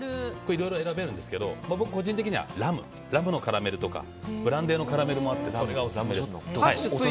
いろいろ選べるんですけど個人的にはラムのカラメルとかブランデーのカラメルもあってそれがオススメです。